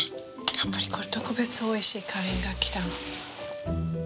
やっぱりこれ特別おいしいカリンが来たの。